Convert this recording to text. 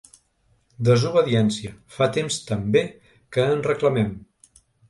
Desobediència, fa temps també que en reclamem.